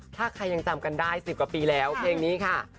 ถ้าใครยังจำกันได้๑๐กว่าปีแล้วเพลงนี้ค่ะ